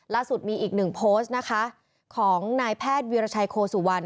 ล่าสุดมีอีกหนึ่งโพสต์นะคะของนายแพทย์วิรชัยโคสุวรรณ